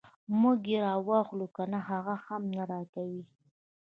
موږ یې راواخلو کنه هغه هم نه راکوي.